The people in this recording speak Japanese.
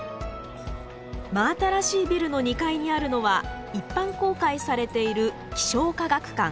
真新しいビルの２階にあるのは一般公開されている気象科学館。